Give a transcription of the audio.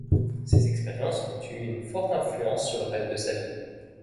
Ces expériences ont eu une forte influence sur le reste de sa vie.